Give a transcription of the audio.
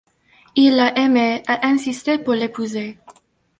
Il l'a aimée, a insisté pour l’épouser.